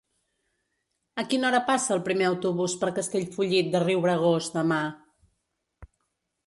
A quina hora passa el primer autobús per Castellfollit de Riubregós demà?